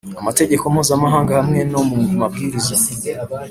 amategeko mpuzamahanga hamwe no mu mabwiriza